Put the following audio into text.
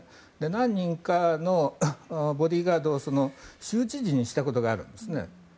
何人かのボディーガードを州知事にしたことがあるんですね。